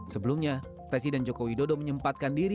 sebelumnya presiden jokowi dodo menyempatkan diri